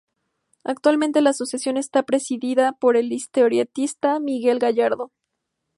Actualmente la asociación está presidida por el historietista Miguel Gallardo.